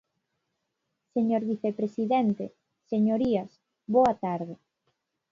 Señor vicepresidente, señorías, boa tarde.